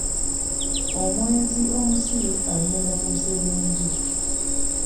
Omwenzi omusiru ayenda ku lusebenju.